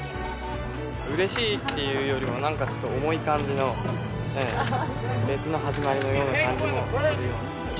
うれしいっていうよりも、なんか、ちょっと重い感じの、別の始まりのような感じもするような。